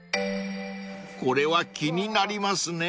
［これは気になりますね］